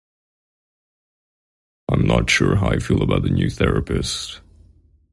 I'm not sure how I feel about the new therapist.